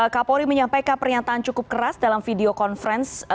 kak pori menyampaikan pernyataan cukup keras dalam video conference